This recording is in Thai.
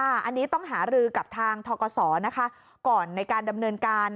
อันนี้ต้องหารือกับทางทกศนะคะก่อนในการดำเนินการ